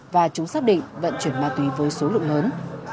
và chúng xác định vận chuyển ma túy với số lượng lớn